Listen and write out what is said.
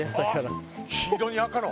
黄色に赤の。